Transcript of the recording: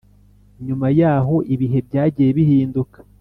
nyuma yaho ibihe byagiye bihinduka